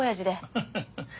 ハハハ。